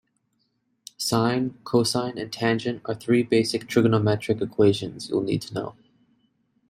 Sine, cosine and tangent are three basic trigonometric equations you'll need to know.